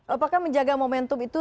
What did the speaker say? apakah menjaga momentum itu